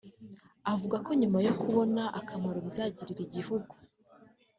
Avuga ko nyuma yo kubona akamaro bizagirira igihugu